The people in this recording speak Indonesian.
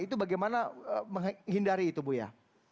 itu bagaimana menghindari itu buya